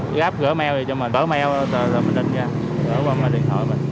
cái app gỡ mail thì cho mình gỡ mail rồi mình đánh ra gỡ qua điện thoại mình